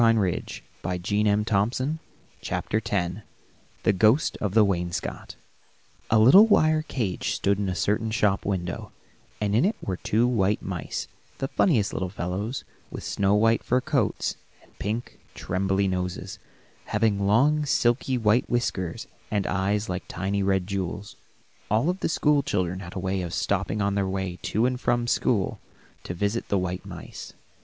[Illustration: THE GHOST OF THE WAINSCOT] X THE GHOST OF THE WAINSCOT A little wire cage stood in a certain shop window, and in it were two white mice, the funniest little fellows, with snow white fur coats and pink, trembly noses, having long, silky, white whiskers, and eyes like tiny red jewels. All the school children had a way of stopping on their way to and from school to visit the white mice.